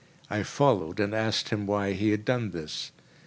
I followed, and asked why he had done this.